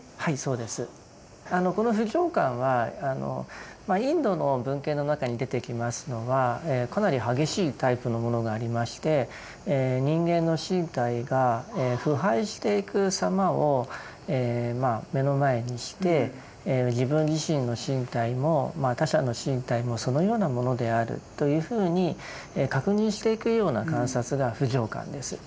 この不浄観はインドの文献の中に出てきますのはかなり激しいタイプのものがありまして人間の身体が腐敗していくさまを目の前にして自分自身の身体も他者の身体もそのようなものであるというふうに確認していくような観察が不浄観です。